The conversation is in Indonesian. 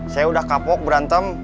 saya udah kapok berantem